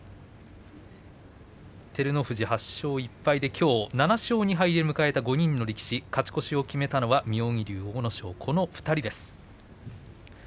照ノ富士、８勝１敗できょう７勝２敗で迎えた５人の力士勝ち越しを決めたのは阿武咲と妙義龍の２人です。